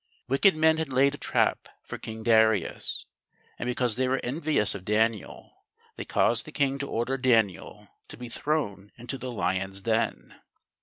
Wicked men had laid a trap for King Darius, and because they were envious of Daniel, they caused the king to order Daniel to be thrown into the lions' den.